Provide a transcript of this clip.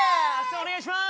お願いします！